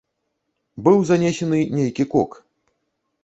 Быў занесены нейкі кок.